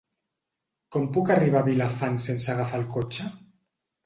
Com puc arribar a Vilafant sense agafar el cotxe?